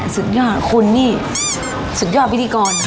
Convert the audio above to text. สุดยอดคุณนี่สุดยอดพิธีกร